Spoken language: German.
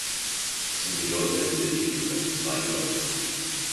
Zum Geläut der Kirche gehören zwei Glocken.